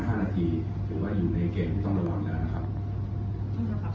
ฉะนั้นคุยกันผมต้องเช็ดไมค์นะครับ